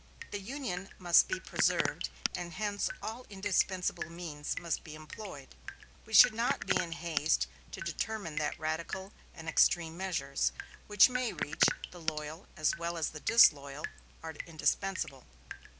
The Union must be preserved; and hence all indispensable means must be employed. We should not be in haste to determine that radical and extreme measures, which may reach the loyal as well as the disloyal, are indispensable."